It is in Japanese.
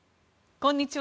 こんにちは。